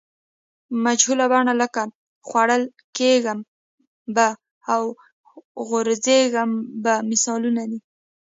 مجهول بڼه لکه خوړل کیږم به او غورځېږم به مثالونه دي.